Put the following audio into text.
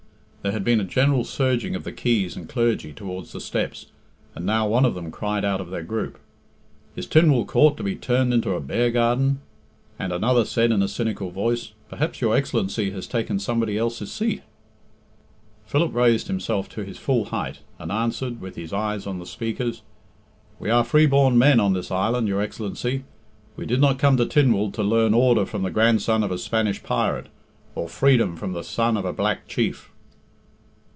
There had been a general surging of the Keys and clergy towards the steps, and now one of them cried out of their group, "Is Tynwald Court to be turned into a bear garden?" And another said in a cynical voice, "Perhaps your Excellency has taken somebody else's seat." Philip raised himself to his full height, and answered, with his eyes on the speakers, "We are free born men on this island, your Excellency. We did not come to Tynwald to learn order from the grandson of a Spanish pirate, or freedom from the son of a black chief."